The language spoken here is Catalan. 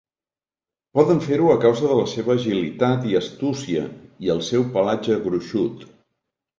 Poden fer-ho a causa de la seva agilitat i astúcia, i el seu pelatge gruixut.